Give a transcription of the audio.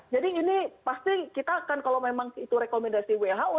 jadi ini pasti kita akan kalau memang itu rekomendasi who